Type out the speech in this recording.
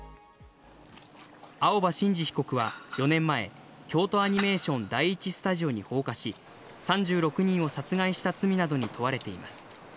青葉真司被告は４年前、京都アニメーション第１スタジオに放火し、３６人を殺害した罪などに問われています。